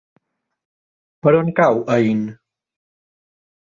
Per on cau Aín?